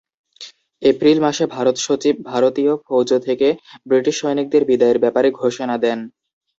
April মাসে ভারতসচিব ভারতীয় ফৌজ থেকে ব্রিটিশ সৈনিকদের বিদায়ের ব্যাপারে ঘোষণা দেন।